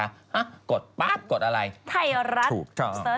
ฮะกดปั๊บกดอะไรถูกต้องถูกต้องไทรัศน์